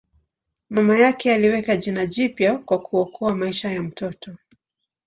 Mama yake aliweka jina jipya kwa kuokoa maisha ya mtoto.